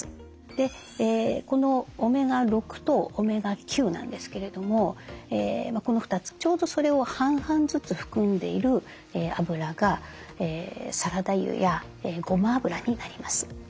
でこのオメガ６とオメガ９なんですけれどもこの２つちょうどそれを半々ずつ含んでいるあぶらがサラダ油やごま油になります。